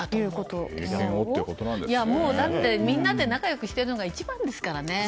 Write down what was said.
だってみんなで仲良くしているのが一番ですからね。